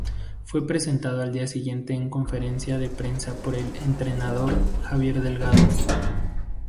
Fue presentado al día siguiente en conferencia de prensa por el entrenador Javier Delgado.